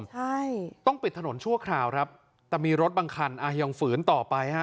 ใช่ต้องปิดถนนชั่วคราวครับแต่มีรถบางคันอ่ะยังฝืนต่อไปฮะ